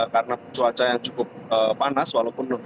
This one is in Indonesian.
karena cuaca yang cukup panas walaupun